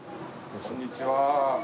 こんにちは。